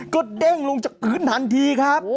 ก็เด้งลงจากพื้นทันทีครับ